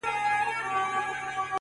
تك سپين زړگي ته دي پوښ تور جوړ كړی،